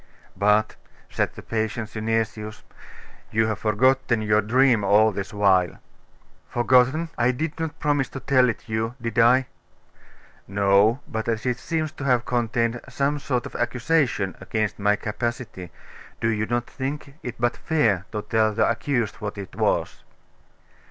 'But,' said the patient Synesius 'you have forgotten your dream all this while. 'Forgotten! I did not promise to tell it you did I?' 'No; but as it seems to have contained some sort of accusation against my capacity, do you not think it but fair to tell the accused what it was?